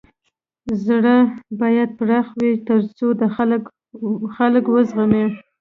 زړه بايد پراخه وي تر څو د خلک و زغمی.